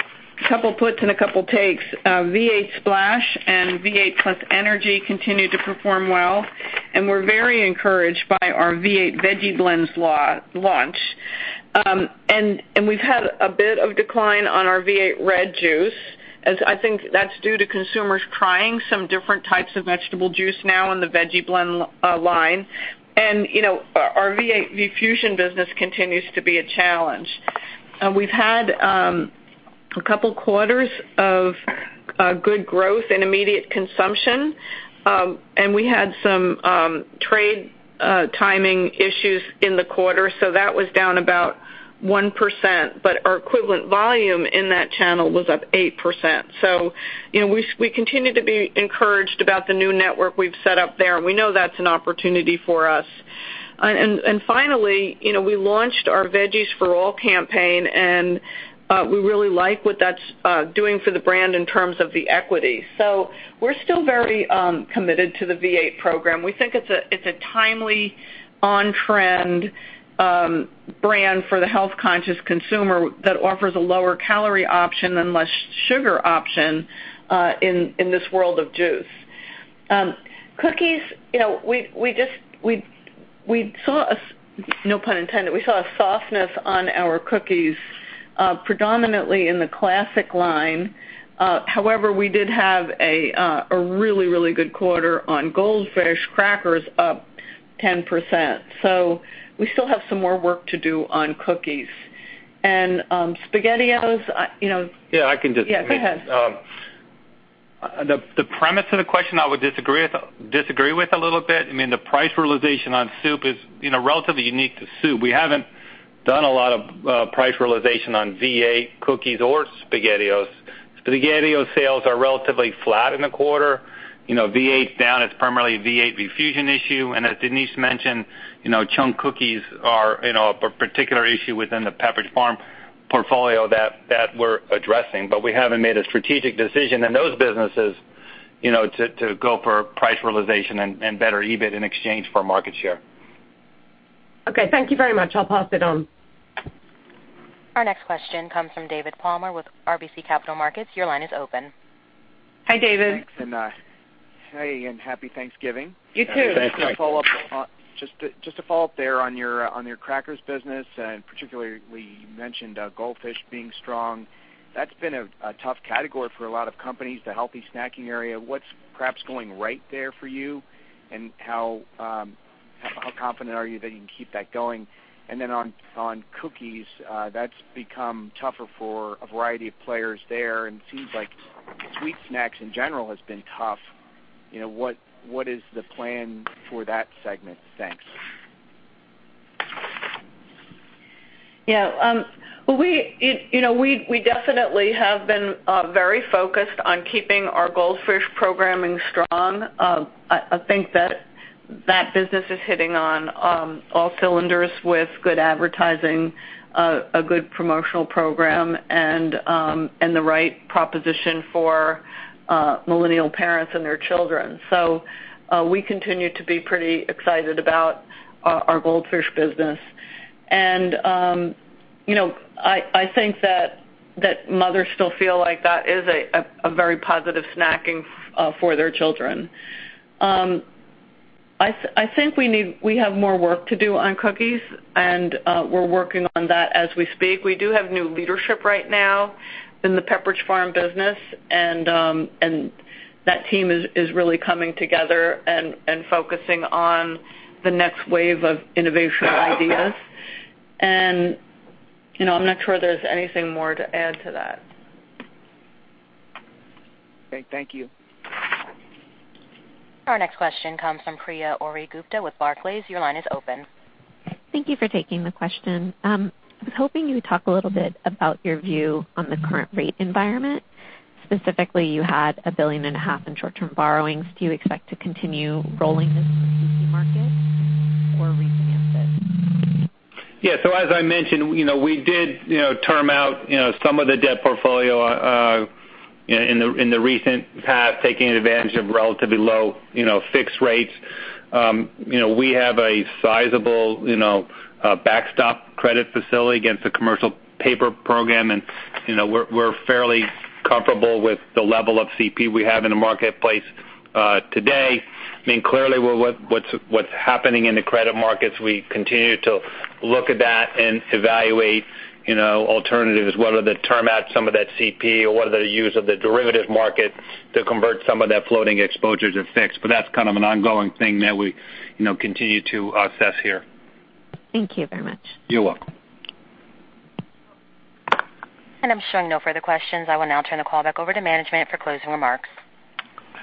of puts and a couple of takes. V8 Splash and V8 +Energy continue to perform well, and we're very encouraged by our V8 Veggie Blends launch. We've had a bit of decline on our V8 Red Juice, as I think that's due to consumers trying some different types of vegetable juice now in the Veggie Blend line. Our V8 V-Fusion business continues to be a challenge. We've had a couple of quarters of good growth in immediate consumption. We had some trade timing issues in the quarter, so that was down about 1%, but our equivalent volume in that channel was up 8%. We continue to be encouraged about the new network we've set up there, and we know that's an opportunity for us. Finally, we launched our Veggies for All campaign, and we really like what that's doing for the brand in terms of the equity. We're still very committed to the V8 program. We think it's a timely, on-trend brand for the health-conscious consumer that offers a lower calorie option and less sugar option in this world of juice. Cookies, we saw, no pun intended, a softness on our cookies, predominantly in the classic line. However, we did have a really good quarter on Goldfish crackers, up 10%. We still have some more work to do on cookies and SpaghettiOs. Yeah, I can. Yeah, go ahead. The premise of the question I would disagree with a little bit. The price realization on soup is relatively unique to soup. We haven't done a lot of price realization on V8, cookies or SpaghettiOs. SpaghettiOs sales are relatively flat in the quarter. V8's down. It's primarily a V8 V-Fusion issue. As Denise mentioned, chunk cookies are a particular issue within the Pepperidge Farm portfolio that we're addressing. We haven't made a strategic decision in those businesses, to go for price realization and better EBIT in exchange for market share. Okay, thank you very much. I'll pass it on. Our next question comes from David Palmer with RBC Capital Markets. Your line is open. Hi, David. Thanks, Hey, and Happy Thanksgiving. You too. Happy Thanksgiving. Just to follow up there on your crackers business, and particularly, you mentioned Goldfish being strong. That's been a tough category for a lot of companies, the healthy snacking area. What's perhaps going right there for you, and how confident are you that you can keep that going? On cookies, that's become tougher for a variety of players there, and it seems like sweet snacks in general has been tough. What is the plan for that segment? Thanks. We definitely have been very focused on keeping our Goldfish programming strong. I think that business is hitting on all cylinders with good advertising, a good promotional program, and the right proposition for millennial parents and their children. We continue to be pretty excited about our Goldfish business. I think that mothers still feel like that is a very positive snacking for their children. I think we have more work to do on cookies, and we're working on that as we speak. We do have new leadership right now in the Pepperidge Farm business, and that team is really coming together and focusing on the next wave of innovation ideas. I'm not sure there's anything more to add to that. Okay. Thank you. Our next question comes from Priya Ohri-Gupta with Barclays. Your line is open. Thank you for taking the question. I was hoping you would talk a little bit about your view on the current rate environment. Specifically, you had a billion and a half in short-term borrowings. Do you expect to continue rolling this in the CP market or refinance it? Yeah. As I mentioned, we did term out some of the debt portfolio in the recent past, taking advantage of relatively low fixed rates. We have a sizable backstop credit facility against the commercial paper program, and we're fairly comfortable with the level of CP we have in the marketplace today. Clearly, what's happening in the credit markets, we continue to look at that and evaluate alternatives, whether to term out some of that CP or whether to use the derivative market to convert some of that floating exposure to fixed. That's kind of an ongoing thing that we continue to assess here. Thank you very much. You're welcome. I'm showing no further questions. I will now turn the call back over to management for closing remarks.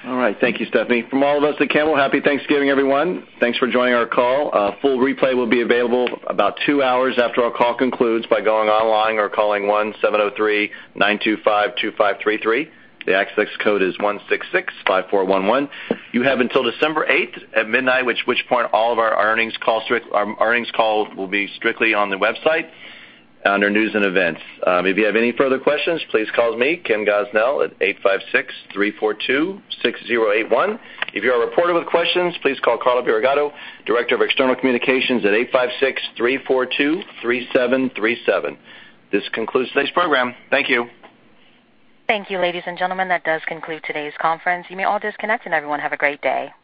All right. Thank you, Stephanie. From all of us at Campbell, Happy Thanksgiving, everyone. Thanks for joining our call. A full replay will be available about 2 hours after our call concludes by going online or calling 1-703-925-2533. The access code is 1665411. You have until December 8th at midnight, at which point all of our earnings calls will be strictly on the website under News and Events. If you have any further questions, please call me, Ken Gosnell, at 856-342-6081. If you are a reporter with questions, please call Carla Burigatto, Director of External Communications, at 856-342-3737. This concludes today's program. Thank you. Thank you, ladies and gentlemen. That does conclude today's conference. You may all disconnect, everyone have a great day.